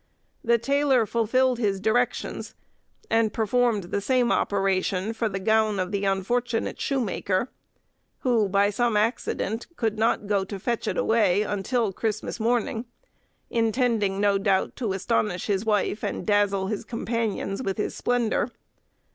The tailor fulfilled his directions, and performed the same operation for the gown of the unfortunate shoemaker, who, by some accident, could not go to fetch it away until Christmas morning, intending, no doubt, to astonish his wife and dazzle his companions with his splendour.